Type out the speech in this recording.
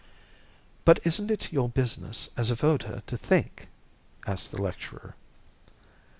"But isn't it your business as a voter to think?" asked the lecturer.